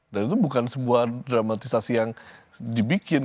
dan itu bukan sebuah dramatisasi yang dibikin